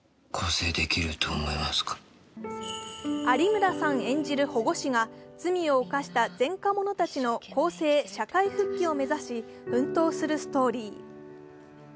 有村さん演じる保護司が罪を犯した前科者たちの更生・社会復帰を目指し奮闘するストーリー。